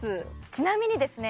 ちなみにですね